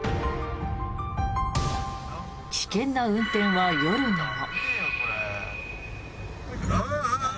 危険な運転は夜にも。